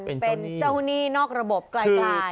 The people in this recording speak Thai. เป็นเจ้าหนี้นอกระบบไกล